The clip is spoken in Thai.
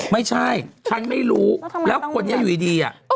ไม่ใช่ฉันไม่รู้แล้วคนนี้อยู่ดี